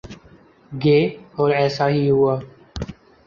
گے اور ایسا ہی ہوا۔